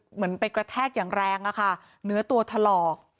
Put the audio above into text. เหมือนไปกระแทกอย่างแรงอะค่ะเนื้อตัวถลอก